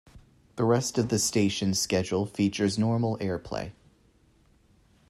The rest of the station's schedule features normal airplay.